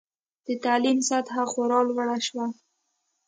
د تعلیم سطحه خورا لوړه شوه.